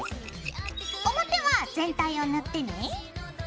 表は全体を塗ってね。